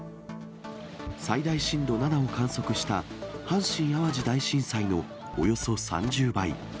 最大震度７を観測した阪神・淡路大震災のおよそ３０倍。